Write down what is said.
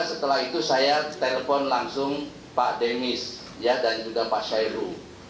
setelah itu saya telpon langsung pak demis dan juga pak syairu